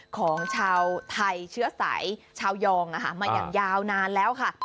ของชาวไทยเชื้อสายชาวยองนะคะมาอย่างยาวนานแล้วค่ะ